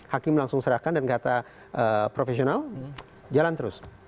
hakim langsung serahkan dan kata profesional jalan terus